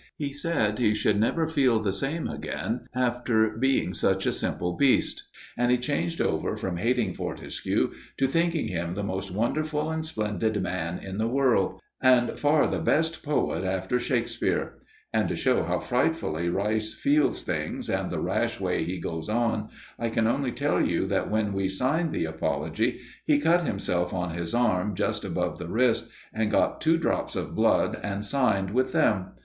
He said he should never feel the same again after being such a simple beast, and he changed over from hating Fortescue to thinking him the most wonderful and splendid man in the world, and far the best poet after Shakespeare. And to show how frightfully Rice feels things and the rash way he goes on, I can only tell you that when we signed the apology, he cut himself on his arm, just above the wrist, and got two drops of blood and signed with them.